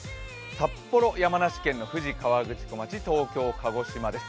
札幌、山梨県の富士河口湖町、東京、鹿児島です。